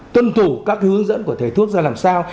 tuân thủ các hướng dẫn của thầy thuốc ra làm sao